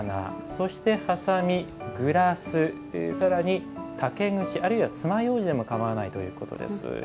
そして、はさみ、グラスさらに、竹串あるいは、つまようじでもかまわないということです。